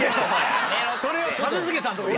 それを一茂さんのとこで。